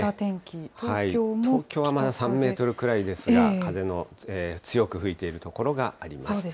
東京はまだ３メートルくらいですが、風の強く吹いている所があります。